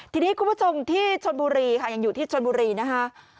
ทีนี้คุณผู้ชมที่ชนบุรีค่ะยังอยู่ที่ชนบุรีนะคะ